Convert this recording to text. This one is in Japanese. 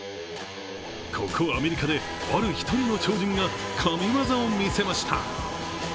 ここアメリカで、ある１人の超人が神業を見せました。